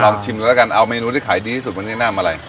ลองชิมแล้วกันเอาเมนูที่ขายดีที่สุดแม่งแน่นำอะไร